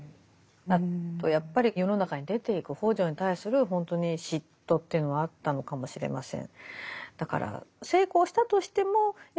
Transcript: あとやっぱり世の中に出ていく北條に対する本当に嫉妬というのはあったのかもしれません。